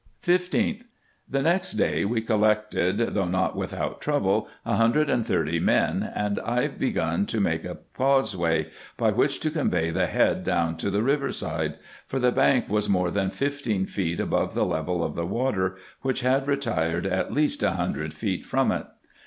15th. — The next day we collected, though not without trouble, a hundred and thirty men ; and I begun to make a causeway, by which to convey the head down to the river side ; for the bank was more than fifteen feet above the level of the water, which had retired at least a hundred feet from it.